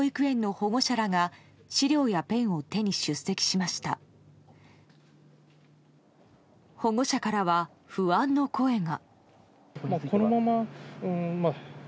保護者からは不安の声が。